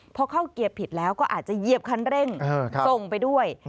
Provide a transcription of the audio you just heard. พอเข้าเกียร์ผิดแล้วก็อาจจะเหยียบคันเร่งส่งไปด้วย